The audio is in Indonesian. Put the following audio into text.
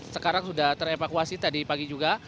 sekarang sudah terevakuasi tadi pagi juga